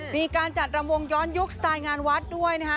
มีการจัดรำวงย้อนยุคสไตล์งานวัดด้วยนะฮะ